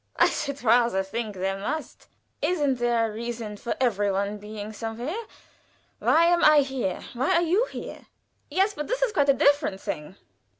"I should rather think there must. Isn't there a reason for every one being somewhere? Why am I here? Why are you here?" "Yes; but this is quite a different thing.